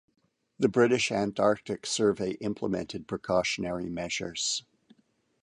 The British Antarctic Survey implemented precautionary measures.